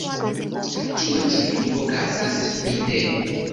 Tio ĉe li okazas subite.